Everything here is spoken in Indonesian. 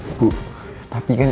ibu tapi kan